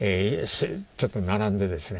ちょっと並んでですね